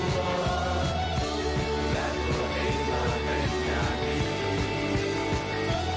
และตัวเองก็เป็นอย่างอีก